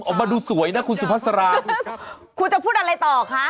ออกมาดูสวยนะคุณสุภาษาราคุณจะพูดอะไรต่อคะ